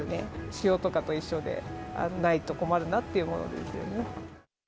塩とかといっしょで、ないと困るなっていうものですよね。